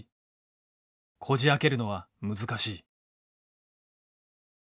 こじあけるのは難しい。